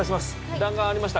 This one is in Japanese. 弾丸ありました